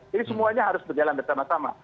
jadi semuanya harus berjalan bersama sama